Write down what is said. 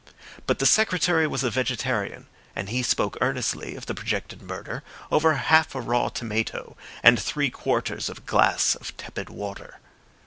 But the Secretary was a vegetarian, and he spoke earnestly of the projected murder over half a raw tomato and three quarters of a glass of tepid water.